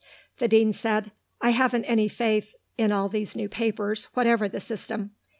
The Dean said, "I haven't any faith in all these new papers, whatever the system.